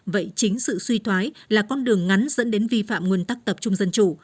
vậy chính sự suy thoái là con đường ngắn dẫn đến vi phạm nguyên tắc tập trung dân chủ